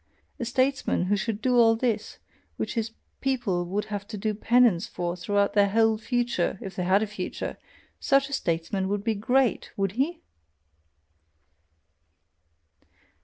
a statesman who should do all this, which his people would have to do penance for throughout their whole future, if they had a future, such a statesman would be GREAT, would he?"